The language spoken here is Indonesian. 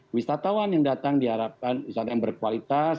wisatawan yang datang diharapkan wisata yang berkualitas